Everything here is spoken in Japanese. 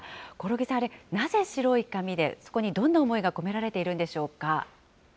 興梠さん、あれ、なぜ白い紙で、そこにどんな思いが込められているんでしょうか。